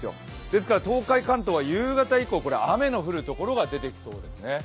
ですから東海、関東は夕方以降、雨が降る所が出てきそうですね。